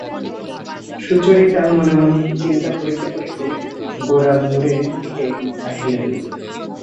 সুচরিতা মনে মনে কী চিন্তা করিতে করিতে গোরার মুরে দিকে চাহিয়া রহিল।